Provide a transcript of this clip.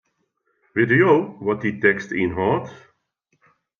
Witte jo wat dy tekst ynhâldt?